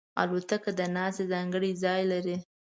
الوتکه د ناستې ځانګړی ځای لري.